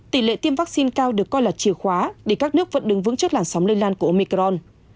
tỷ lệ tiêm vaccine cao được coi là chìa khóa để các nước vẫn đứng vững trước làn sóng lây lan của omicron